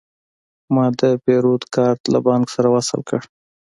ما د پیرود کارت له بانک سره وصل کړ.